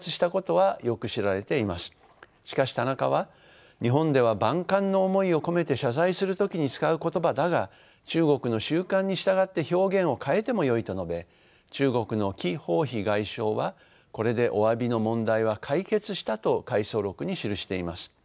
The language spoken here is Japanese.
しかし田中は日本では万感の思いを込めて謝罪する時に使う言葉だが中国の習慣に従って表現を変えてもよいと述べ中国の姫鵬飛外相はこれでおわびの問題は解決したと回想録に記しています。